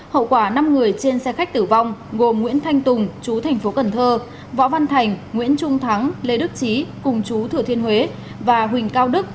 hậu quả năm người trên xe khách tử vong gồm nguyễn thanh tùng chú tp cn võ văn thành nguyễn trung thắng lê đức trí cùng chú thừa thiên huế và huỳnh cao đức